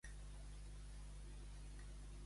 Sant Roc! Doneu-me foc, ni massa ni poc.